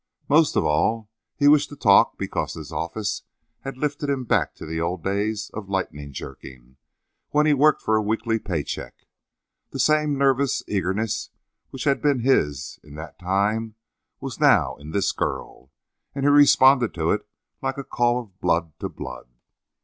Most of all he wished to talk because this office had lifted him back to the old days of "lightning jerking," when he worked for a weekly pay check. The same nervous eagerness which had been his in that time was now in this girl, and he responded to it like a call of blood to blood.